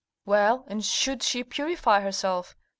"Well, and should she purify herself?"